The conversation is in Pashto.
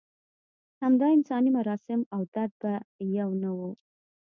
همدا انساني مراسم او درد به یو نه و.